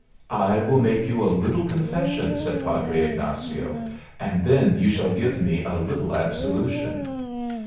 "I will make you a little confession," said Padre Ignazio, "and then you shall give me a little absolution."